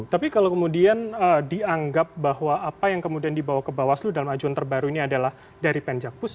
tapi kalau kemudian dianggap bahwa apa yang kemudian dibawa ke bawaslu dalam ajuan terbaru ini adalah dari pn jakpus